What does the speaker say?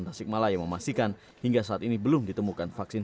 tapi padahal ini bagus vaksin ini buat kembang tubuh